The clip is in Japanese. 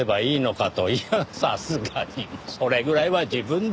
いやさすがにそれぐらいは自分で。